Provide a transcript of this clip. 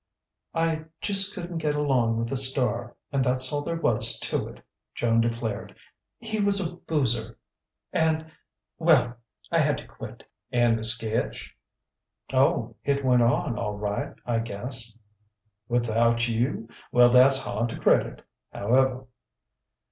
"I just couldn't get along with the star, and that's all there was to it," Joan declared. "He was a boozer and well, I had to quit." "And the sketch " "Oh, it went on, all right, I guess." "Without you! Well, that's hard to credit. However...."